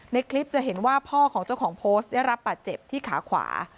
ในคลิปจะเห็นว่าพ่อของเจ้าของโพสต์ได้รับบาดเจ็บที่ขาขวา